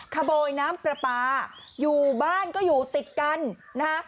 ขโมยน้ำปลาปลาอยู่บ้านก็อยู่ติดกันนะคะ